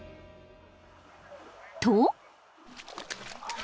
［と］